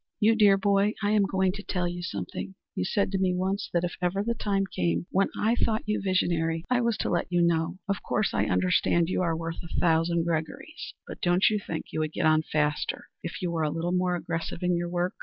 "You dear boy, I am going to tell you something. You said to me once that if ever the time came when I thought you visionary, I was to let you know. Of course I understand you are worth a thousand Gregorys; but don't you think you would get on faster if you were a little more aggressive in your work?